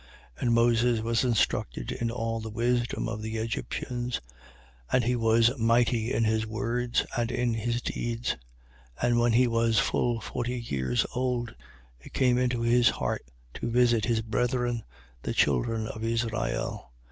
7:22. And Moses was instructed in all the wisdom of the Egyptians: and he was mighty in his words and in his deeds. 7:23. And when he was full forty years old, it came into his heart to visit his brethren, the children of Israel.